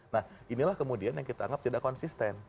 nah inilah kemudian yang kita anggap tidak konsisten